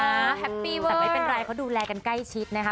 แต่ไม่เป็นไรเขาดูแลกันใกล้ชิดนะฮะ